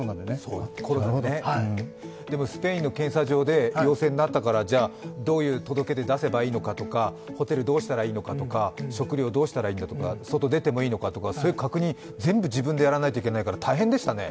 でもスペインの検査場で陽性になったから、どういう届け出を出せばいいのかとかホテルどうしたらいいのかとか、食料どうしたらいいのかとか、外に出てもいいのかとか、そういう確認全部自分でやらないといけないから大変でしたね。